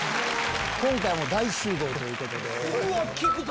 今回も大集合ということで。